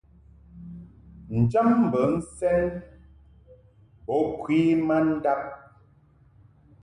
Njam bi sɛn bo kwe ma ndab.